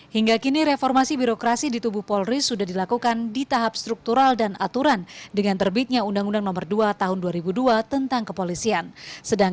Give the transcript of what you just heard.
hingga kini reformasi birokrasi di tubuh polri sudah dilakukan di tahap struktural dan aturan dengan terbitnya undang undang nomor dua tahun dua ribu dua tentang kepolisian